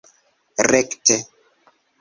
rekte